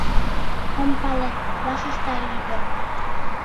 — Ом пале, — вашешта ӱдыр.